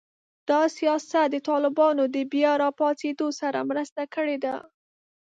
دا سیاست د طالبانو د بیا راپاڅېدو سره مرسته کړې ده